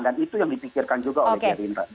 dan itu yang dipikirkan juga oleh gerindra